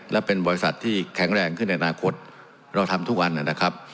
และเป็นบริษัทที่แข็งแรงขึ้นในอนาคตเราทำทุกวันนะครับ